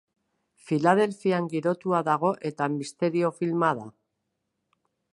Filadelfian girotua dago eta misterio filma da.